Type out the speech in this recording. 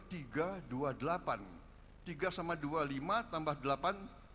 tiga sama dua lima tambah delapan